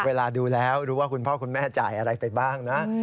เวลาดูแล้วรู้ว่าคุณพ่อคุณแม่จ่ายอะไรไปบ้างนะ